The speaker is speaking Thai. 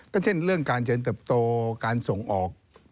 ก็เช่นเรื่องการเจริญเติบโตการส่งออก